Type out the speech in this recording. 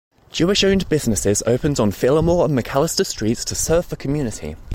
Jewish-owned businesses opened on Fillmore and McAllister streets to serve the community.